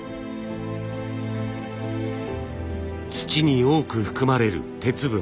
土に多く含まれる鉄分。